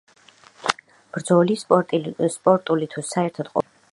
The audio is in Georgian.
ბრძოლის, სპორტული თუ საერთოდ ყოველგვარი შეჯიბრის ადგილი.